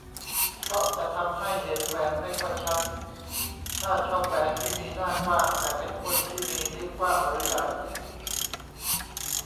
เพราะจะทำให้เห็นแหวนไม่ค่อยชัด ถ้าชอบแหวนที่มีหน้ากว้าง แต่เป็นคนที่มีนิ้วกว้างหรือใหญ่